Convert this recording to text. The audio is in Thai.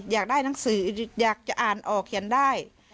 อยากได้หนังสืออยากจะอ่านออกเขียนได้